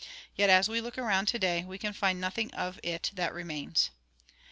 Yet, as we look around to day, we can find nothing of it that remains.